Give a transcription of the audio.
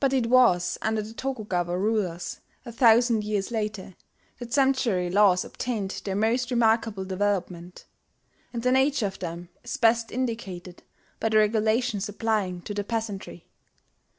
But it was under the Tokugawa rulers, a thousand years later, that sumptuary laws obtained their most remarkable development; and the nature of them is best: indicated by the regulations applying to the peasantry.